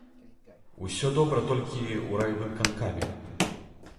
Усё добра толькі ў райвыканкаме.